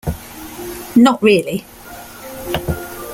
Not really ...